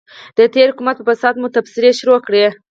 د تېر حکومت پر فساد مو تبصرې شروع کړې.